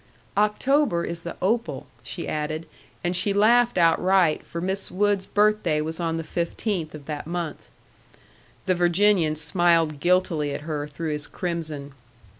"October is the opal," she added, and she laughed outright, for Miss Wood's birthday was on the fifteenth of that month. The Virginian smiled guiltily at her through his crimson.